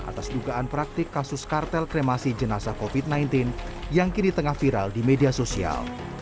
atas dugaan praktik kasus kartel kremasi jenazah covid sembilan belas yang kini tengah viral di media sosial